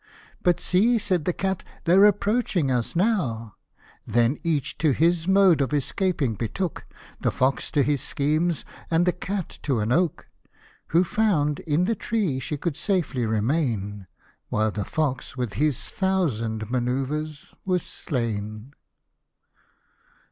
" But see !" said the cat, " they're approaching us now !" Then each to his mode of escaping betook, The fox to his schemes, and the cat to an oak, Who found in the tree she could safely remain ; While the fox with his thousand manoeuvres was slain.